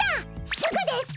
すぐです！